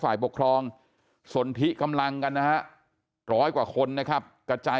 ฝ่ายปกครองสนทิกำลังกันนะฮะร้อยกว่าคนนะครับกระจาย